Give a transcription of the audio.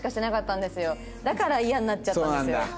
だから嫌になっちゃったんですよ。